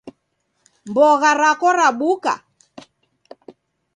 Mbogha rako rabuka?